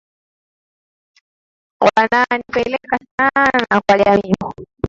wanaa nipeleka sana kwa jamii